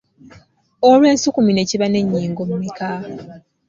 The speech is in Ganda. Olwo ensukumi ne kiba n’ennyingo mmeka?